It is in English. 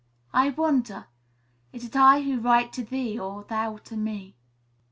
"I wonder: 'Is it I who write to thee, or thou to me?'"